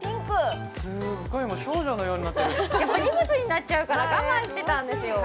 もうやっぱ荷物になっちゃうから我慢してたんですよ